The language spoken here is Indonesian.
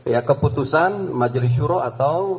ya keputusan majelis syuro atau